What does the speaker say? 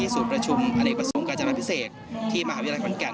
ศูนย์ประชุมอเนกประสงค์การจนาพิเศษที่มหาวิทยาลัยขอนแก่น